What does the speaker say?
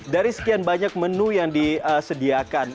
dari sekian banyak menu yang disediakan